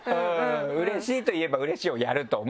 「うれしい」と言えば「うれしい」をやると思うなと。